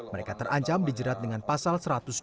mereka terancam dijerat dengan pasal satu ratus dua puluh